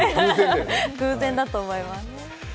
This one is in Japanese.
偶然だと思います。